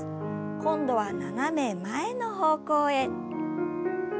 今度は斜め前の方向へ。